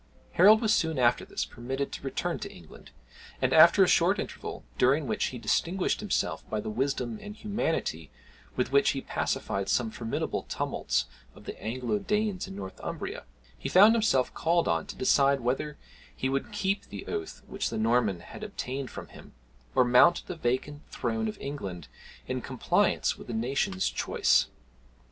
Harold was soon, after this permitted to return to England; and, after a short interval, during which he distinguished himself by the wisdom and humanity with which he pacified some formidable tumults of the Anglo Danes in Northumbria, he found himself called on to decide whether he would keep the oath which the Norman had obtained from him, or mount the vacant throne of England in compliance with the nation's choice.